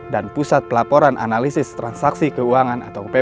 dan pusat pelaporan analisis transaksi keuangan atau ppatk